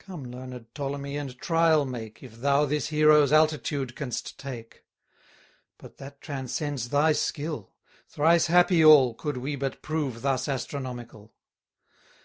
Come, learned Ptolemy and trial make, If thou this hero's altitude canst take: 40 But that transcends thy skill; thrice happy all, Could we but prove thus astronomical.